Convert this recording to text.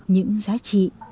những giá trị